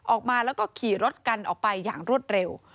ออกมาแล้วก็ขี่รถกันออกไปอย่างรวดเร็ว